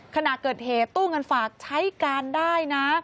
ขณะเกิดเหตุตู้เงินฝากใช้การได้นะ